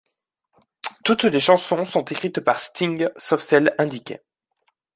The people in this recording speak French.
Toutes les chansons sont écrites par Sting sauf celles indiquées.